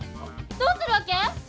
どうするわけ？